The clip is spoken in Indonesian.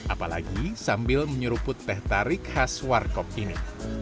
apalagi sambil menyuruput teh tarik khas war kok ini